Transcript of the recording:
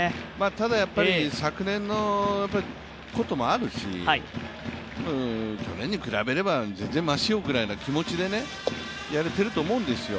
ただやっぱり昨年のこともあるし、去年に比べれば全然ましよみたいな気持ちでやれてると思うんですよ。